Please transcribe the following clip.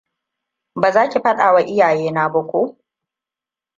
Ba za ki faɗawa iyayena ba, ko?